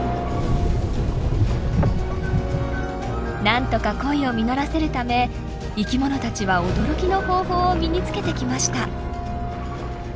なんとか恋を実らせるため生きものたちは驚きの方法を身につけてきました。